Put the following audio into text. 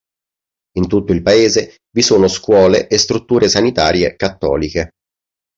In tutto il Paese vi sono scuole e strutture sanitarie cattoliche.